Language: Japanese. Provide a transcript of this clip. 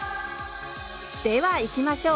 では、いきましょう。